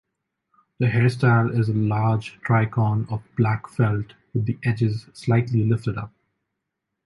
The hairstyle is a large tricorn of black felt with the edges slightly lifted up.